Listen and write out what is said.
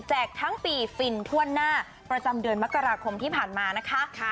ทั้งปีฟินทั่วหน้าประจำเดือนมกราคมที่ผ่านมานะคะ